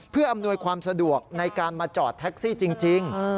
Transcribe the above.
เพื่ออำนวยความสะดวกในการมาจอดแท็กซี่จริง